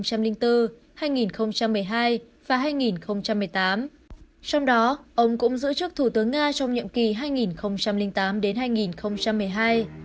hai nghìn bốn hai nghìn một mươi hai và hai nghìn một mươi tám trong đó ông cũng giữ chức thủ tướng nga trong nhiệm kỳ hai nghìn tám hai nghìn một mươi hai